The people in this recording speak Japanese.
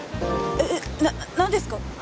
えっえっななんですか？